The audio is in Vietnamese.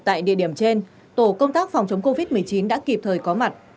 tại địa điểm trên tổ công tác phòng chống covid một mươi chín đã kịp thời có mặt